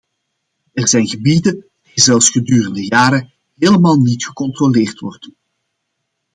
Er zijn gebieden die zelfs gedurende jaren helemaal niet gecontroleerd worden.